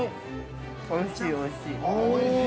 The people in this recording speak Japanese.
◆おいしい、おいしい。